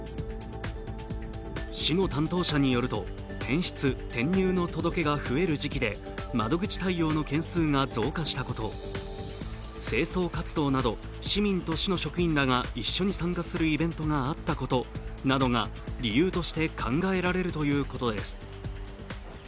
市の担当者によると、転出・転入の届けが増える時期で窓口対応の件数が増加したこと、清掃活動など、市民と市の職員らが一緒に参加するイベントがあったことなどが理由として考えられるということです。